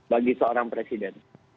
bagi seorang presiden